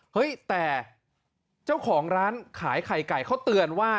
เฮ้ยแต่เจ้าของร้านขายไข่ไก่เขาเตือนว่า